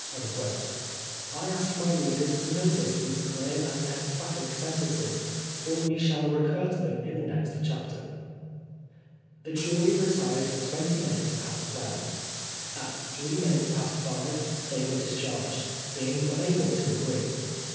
I ask my readers to notice these clear and emphatic sentences, for we shall recur to them in the next chapter. The jury retired at twenty minutes past twelve. At three minutes past five they were discharged, being^ unable to agree.